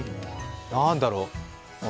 何だろう。